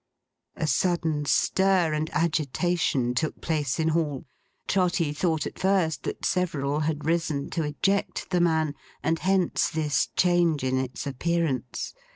A sudden stir and agitation took place in Hall. Trotty thought at first, that several had risen to eject the man; and hence this change in its appearance.